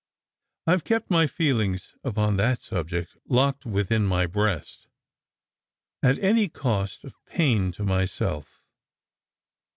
I have kept my feelings upon that subject locked within my breast, at any cost of pain to myself.